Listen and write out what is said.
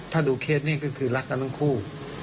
ถ้าดูเคสนี้ก็คือรักกันทั้งคู่